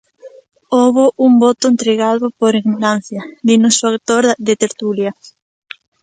Houbo un voto entregado por ignorancia –dinos o autor de Tertúlia–.